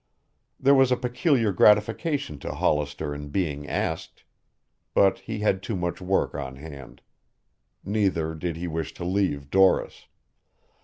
There was a peculiar gratification to Hollister in being asked. But he had too much work on hand. Neither did he wish to leave Doris.